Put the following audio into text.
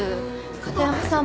片山さん